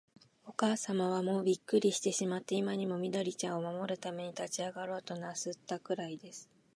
おかあさまは、もうびっくりしてしまって、今にも、緑ちゃんを守るために立ちあがろうとなすったくらいです。